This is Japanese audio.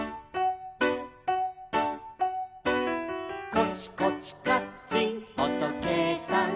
「コチコチカッチンおとけいさん」